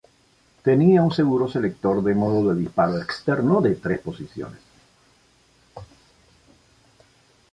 Tenía un seguro-selector de modo de disparo externo de tres posiciones.